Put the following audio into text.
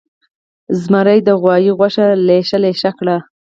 زمر د غوایه غوږه لېشه لېشه کړه.